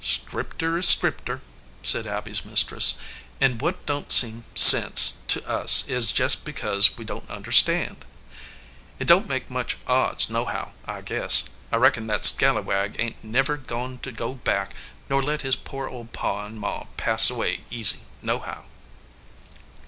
"Scripter is Scripter," said Abby s mistress, "and what don t seem sense to us is jest because we don t understand. It don t make much odds, nohow, I guess. I reckon that scalawag ain t never goin to go back, nor let his poor old pa and ma pass away easy, nohow."